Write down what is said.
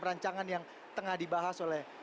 rancangan yang tengah dibahas oleh